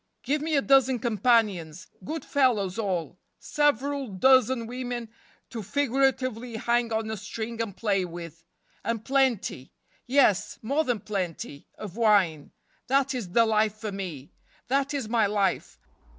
Give me a dozen com¬ panions—good fellows all—several dozen women to figuratively hang on a string and play with, and plenty—yes, more than plenty—of wine. That is the life for me. That is my life.